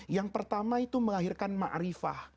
yang pertama itu melahirkan ma'rifah